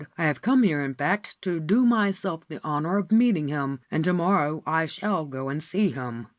I have come here, in fact, to do myself the honour of meeting him, and to morrow I shall go and see him.'